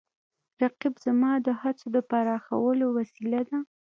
رقیب زما د هڅو د پراخولو وسیله ده